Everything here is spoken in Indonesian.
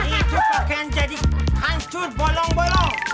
ini cukup kan jadi hancur bolong bolong